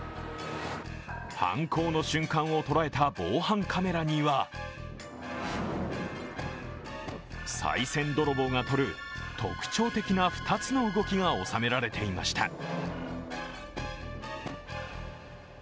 犯行の瞬間を捉えた防犯カメラにはさい銭泥棒がとる特徴的な２つの動きが収められていました。